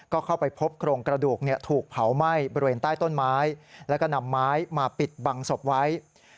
ก็เข้าไปพบโครงกระดูกถูกเผาไหม้บริเวณใต้ต้นไม้แล้วก็นำไม้มาปิดบังศพไว้